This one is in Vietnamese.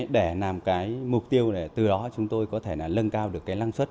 để làm mục tiêu từ đó chúng tôi có thể lân cao được lăng xuất